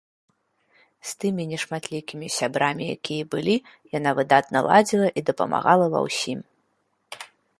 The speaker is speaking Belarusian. З тымі нешматлікімі сябрамі, якія былі, яна выдатна ладзіла і дапамагала ва ўсім.